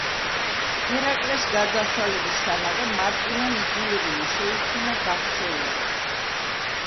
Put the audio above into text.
ჰერაკლეს გარდაცვალებისთანავე მარტინა იძულებული შეიქმნა გაქცეულიყო.